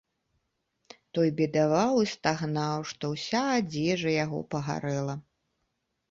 Той бедаваў і стагнаў, што ўся адзежа яго пагарэла.